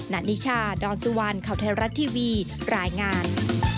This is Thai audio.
นิชาดอนสุวรรณข่าวไทยรัฐทีวีรายงาน